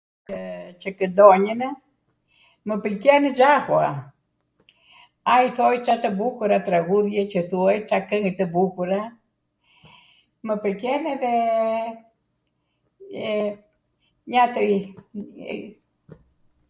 qw kwndonjwnw, mw pwlqen zahura, ai thoj ca tw bukura traghudhja qw thuej, ca kwngw tw bukura, mw pwlqen edhe njatwri, e